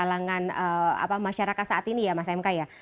semakin mengakar di kalangan masyarakat saat ini ya mas mk ya